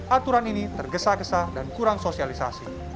aturan ini tergesa gesa dan kurang sosialisasi